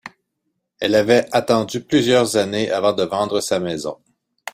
Elle avait attendu plusieurs années avant de vendre sa maison.